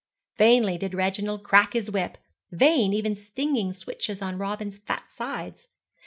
Vainly did Reginald crack his whip vain even stinging switches on Robin's fat sides.